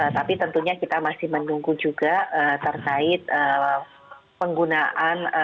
tapi tentunya kita masih menunggu juga terkait penggunaan